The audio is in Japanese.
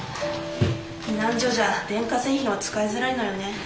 避難所じゃ電化製品は使いづらいのよね。